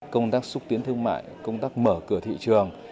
công tác xúc tiến thương mại công tác mở cửa thị trường